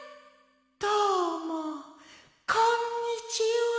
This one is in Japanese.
どうもこんにちは」。